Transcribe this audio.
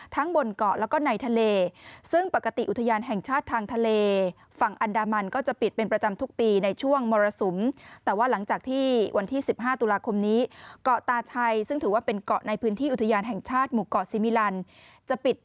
ทั้งบนเกาะแล้วก็ในทะเลซึ่งปกติอุทยานแห่งชาติทางทะเล